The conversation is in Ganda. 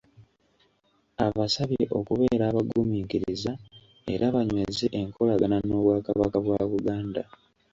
Abasabye okubeera abaguminkiriza era banyweze enkolagana n'Obwakabaka bwa Buganda.